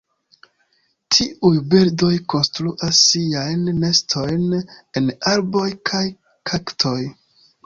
Tiuj birdoj konstruas siajn nestojn en arboj kaj kaktoj.